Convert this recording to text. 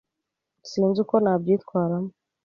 Sinzi uko nabyitwaramo.